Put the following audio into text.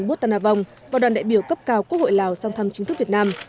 bút tân a vong và đoàn đại biểu cấp cao quốc hội lào sang thăm chính thức việt nam